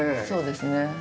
そうですね。